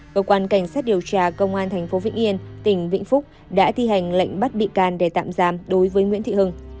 cơ quan cảnh sát điều tra công an tp vĩnh yên tỉnh vĩnh phúc đã thi hành lệnh bắt bị can để tạm giam đối với nguyễn thị hưng